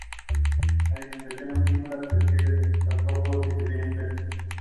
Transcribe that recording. He received the Medal of Honor for valor.